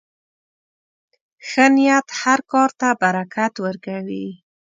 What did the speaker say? ښه نیت هر کار ته برکت ورکوي.